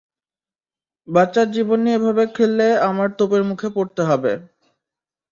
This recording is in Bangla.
বাচ্চার জীবন নিয়ে এভাবে খেললে আমার তোপের মুখে পড়তে হবে।